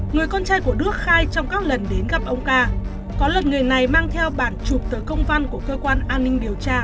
người con trai của đức khai trong các lần đến gặp ông ca có lượt người này mang theo bản chụp từ công văn của cơ quan an ninh điều tra